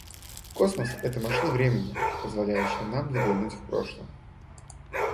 Космос - это машина времени, позволяющая нам заглянуть в прошлое.